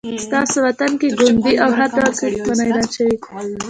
ستاسې وطن کې ګوندي او هر ډول سیاست منع اعلان شوی